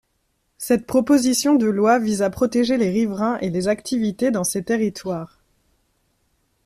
Cette proposition de loi vise à protéger les riverains et les activités dans ces territoires.